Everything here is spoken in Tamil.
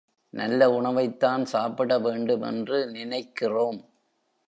நல்ல உணவைத்தான் சாப்பிட வேண்டுமென்று நினைக்கிறோம்.